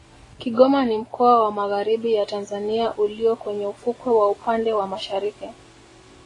Kigoma ni mkoa wa Magharibi ya Tanzania ulio kwenye ufukwe wa upande wa Mashariki